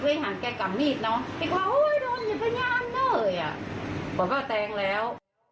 ว่าก็แทงแล้ว